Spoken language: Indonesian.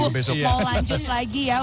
mau lanjut lagi ya